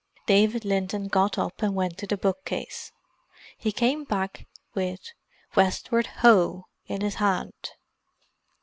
David Linton got up and went to the bookcase. He came back with Westward Ho! in his hand.